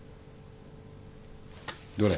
どれ？